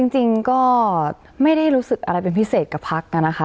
จริงก็ไม่ได้รู้สึกอะไรเป็นพิเศษกับพักนะคะ